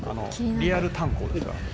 「リアル炭鉱ですから」